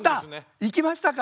行きましたか。